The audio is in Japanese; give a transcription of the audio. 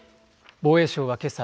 防衛省はけさ